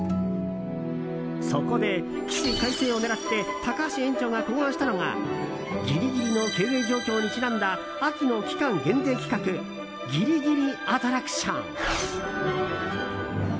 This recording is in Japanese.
そこで起死回生を狙って高橋園長が考案したのがぎりぎりの経営状況にちなんだ秋の期間限定企画ぎりぎりアトラクション！